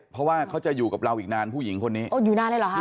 เพราะว่าเขาจะอยู่กับเราอีกนานผู้หญิงคนนี้